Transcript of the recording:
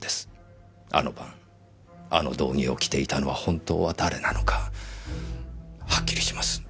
あの晩あの道着を着ていたのは本当は誰なのかはっきりします。